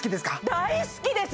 大好きです！